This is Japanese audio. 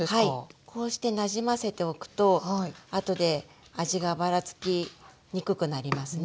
こうしてなじませておくとあとで味がばらつきにくくなりますね。